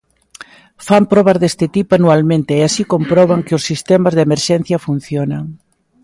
Fan probas deste tipo anualmente e así comproban que os sistemas de emerxencia funcionan.